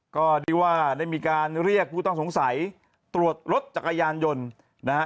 ก็เรียกว่าได้มีการเรียกผู้ต้องสงสัยตรวจรถจักรยานยนต์นะฮะ